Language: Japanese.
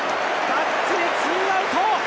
タッチでツーアウト。